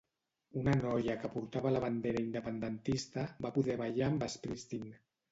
Una noia que portava la bandera independentista va poder ballar amb Springsteen.